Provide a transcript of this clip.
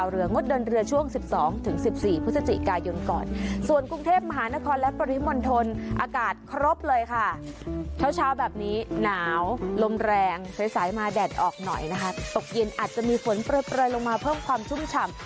เย็นอาจจะมีฝนเปลือลงมาเพิ่มความชุ่มฉ่ำ